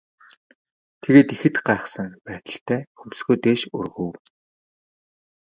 Тэгээд ихэд гайхсан байдалтай хөмсгөө дээш өргөв.